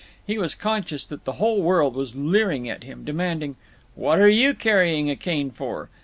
He was conscious that the whole world was leering at him, demanding "What're you carrying a cane for?"